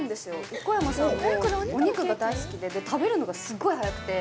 横山さんもお肉が大好きで、食べるのがすごい早くて。